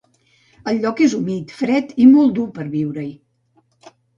El lloc és humit, fred i molt dur per viure-hi.